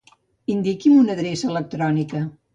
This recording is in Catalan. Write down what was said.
Indiqui'm una adreça electrònica.